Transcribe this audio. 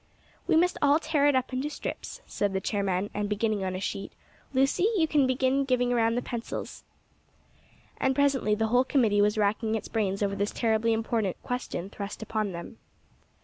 "We must all tear it up into strips," said the chairman, and, beginning on a sheet, "Lucy, you can be giving around the pencils." And presently the whole committee was racking its brains over this terribly important question thrust upon them.